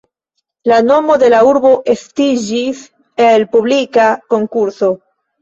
La nomo de la urbo estiĝis el publika konkurso.